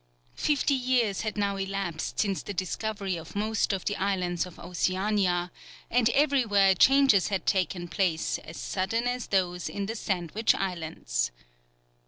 Fifty years had now elapsed since the discovery of most of the islands of Oceania, and everywhere changes had taken place as sudden as those in the Sandwich Islands.